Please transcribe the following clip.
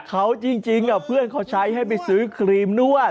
เขาจริงเพื่อนเขาใช้ให้ไปซื้อครีมนวด